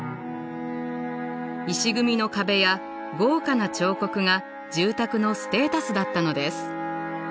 石組みの壁や豪華な彫刻が住宅のステータスだったのです。